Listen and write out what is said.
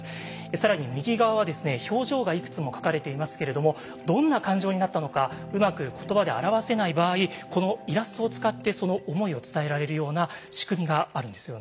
更に右側は表情がいくつも描かれていますけれどもどんな感情になったのかうまく言葉で表せない場合このイラストを使ってその思いを伝えられるような仕組みがあるんですよね。